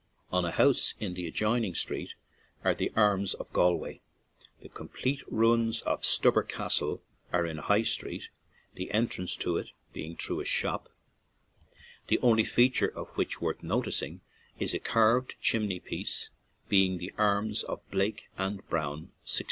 On a house in the adjoining street are the arms of Galway. The complete ruins of Stubber's Castle are in High Street, the entrance to it being through a shop, the only feature of which worth no ticing is a carved chimney piece bearing the arms of Blake and Brown (1619).